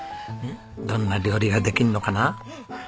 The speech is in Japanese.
どんな料理ができんのかな？